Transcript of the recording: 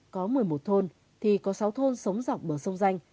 có một mươi một thôn thì có sáu thôn sống dọc bờ sông danh